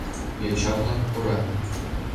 Йоча-влак пурат.